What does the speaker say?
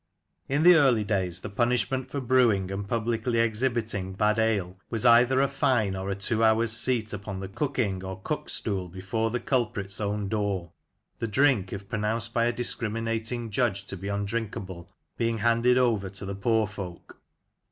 In the early days the punishment for brewing and publicly exhibiting bad ale was either a fine or a two hours' seat upon the cucking or cuck stool before the culprit's own door ; the drink, if pronounced by a discriminating judge to be undrinkablCy being handed over to the poor folk.